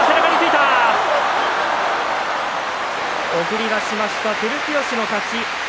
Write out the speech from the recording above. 送り出しました照強の勝ち。